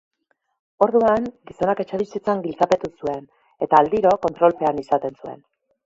Orduan, gizonak etxebizitzan giltzapetu zuen, eta aldiro kontrolpean izaten zuen.